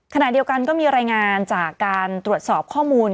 ขณะเดียวกันก็มีรายงานจากการตรวจสอบข้อมูล